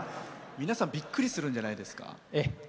皆さんびっくりするんじゃないですか？